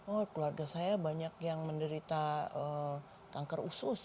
oh keluarga saya banyak yang menderita kanker usus